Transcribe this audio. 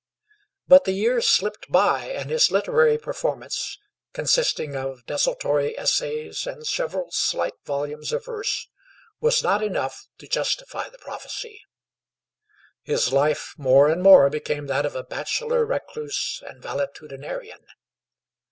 But the years slipped by, and his literary performance, consisting of desultory essays and several slight volumes of verse, was not enough to justify the prophecy. His life more and more became that of a bachelor recluse and valetudinarian.